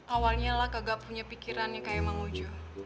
awalnya lah kagak punya pikirannya kayak mak ojo